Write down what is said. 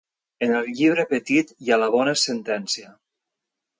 En el llibre petit hi ha la bona sentència.